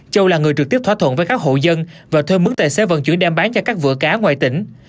châu là người trực tiếp thỏa thuận với các hộ dân và thuê mứng tài xế vận chuyển đem bán cho các vựa cá ngoài tỉnh